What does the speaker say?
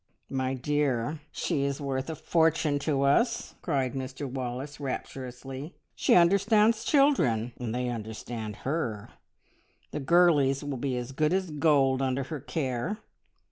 "My dear, she is worth a fortune to us!" cried Mr Wallace rapturously. "She understands children, and they understand her; the girlies will be as good as gold under her care.